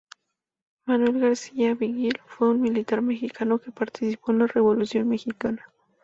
Manuel García Vigil fue un militar mexicano que participó en la Revolución mexicana.